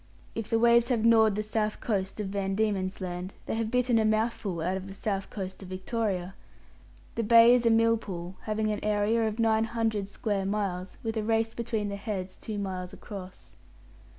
If the waves have gnawed the south coast of Van Diemen's Land, they have bitten a mouthful out of the south coast of Victoria. The Bay is a millpool, having an area of nine hundred square miles, with a race between the heads two miles across.